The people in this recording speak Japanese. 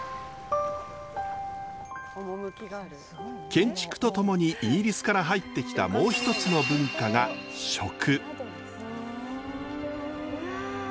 建築と共にイギリスから入ってきたもう一つの文化が食。わ。